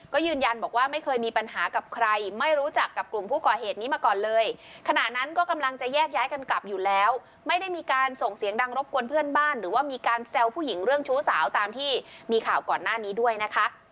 ก็ยืนยันบอกว่าไม่เคยมีปัญหากับใครไม่รู้จักกับกลุ่มผู้ก่อเหตุนี้มาก่อนเลยขณะนั้นก็กำลังจะแยกย้ายกันกลับอยู่แล้วไม่ได้มีการส่งเสียงดังรบกวนเพื่อนบ้านหรือว่ามีการแซวผู้หญิงเรื่องชู้สาวตามที่มีข่าวก่อนหน้านี้ด้วยนะคะ